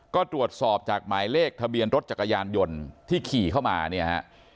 ก็ตรวจสอบจากหมายเลขทะเบียนรถจักรยานยนต์ที่ขี่เข้ามาเนี่ยฮะ